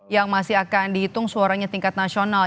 yang masih akan dihitung suaranya tingkat nasional